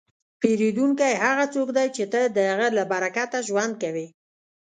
پیرودونکی هغه څوک دی چې ته د هغه له برکته ژوند کوې.